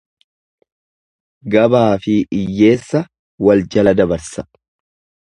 Gabaafi iyyeessa wal jala dabarsa.